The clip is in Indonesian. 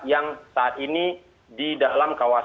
yang saat ini di dalam kawasan